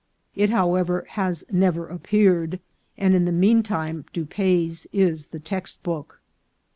It, however, has never appeared, and in the mean time Dupaix's is the text book.